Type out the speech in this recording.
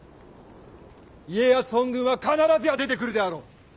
家康本軍は必ずや出てくるであろう。